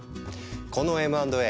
このＭ＆Ａ